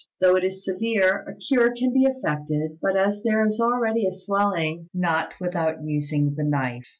Though it is severe, a cure can be effected; but, as there is already a swelling, not without using the knife."